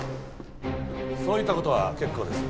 そういった事は結構です。